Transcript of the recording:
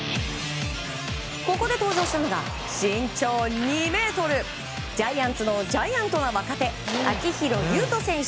ここで登場したのが身長２ｍ、ジャイアンツのジャイアントな若手秋広優人選手。